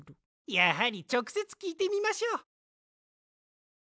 やはりちょくせつきいてみましょう。